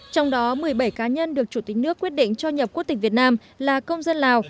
trong đó một mươi bảy cá nhân được chủ tịch nước quyết định cho nhập quốc tịch việt nam là công dân lào